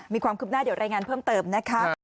มีความคืบหน้าเดี๋ยวรายงานเพิ่มเติมนะคะ